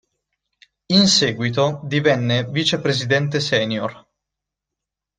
In seguito, divenne vice-presidente senior.